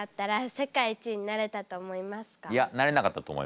いやなれなかったと思いますね。